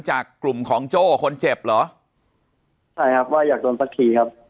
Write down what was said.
จากกลุ่มของโจ้คนเจ็บเหรอใช่ครับว่าอยากโดนสักทีครับ